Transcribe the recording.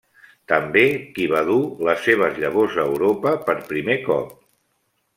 També qui va dur les seves llavors a Europa per primer cop.